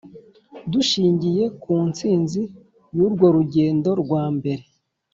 dushingiye ku ntsinzi y'urwo rugendo rwa mbere,